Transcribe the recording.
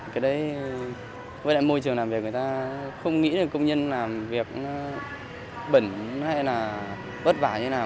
cái đấy với môi trường làm việc người ta không nghĩ công nhân làm việc bẩn hay bất vả như nào